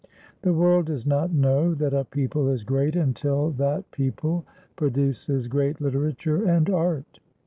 The world does not know that a people is great until that people produces great literature and art.